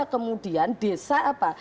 bisa kemudian desa apa